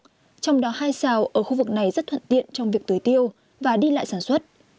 trong đó hai xào ở khu vực này rất thuận tiện trong việc tưới tiêu và đi lại sản xuất